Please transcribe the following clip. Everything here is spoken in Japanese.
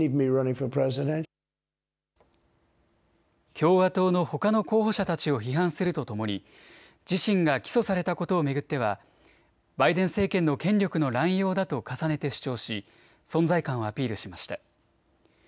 共和党のほかの候補者たちを批判するとともに自身が起訴されたことを巡ってはバイデン政権の権力の乱用だと重ねて主張し存在感をアピールしました。